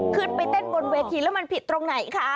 ขึ้นไปเต้นบนเวทีแล้วมันผิดตรงไหนคะ